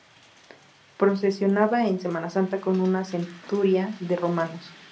Procesionaba en Semana Santa con una centuria de romanos.